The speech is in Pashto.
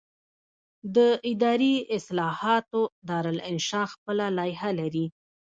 د اداري اصلاحاتو دارالانشا خپله لایحه لري.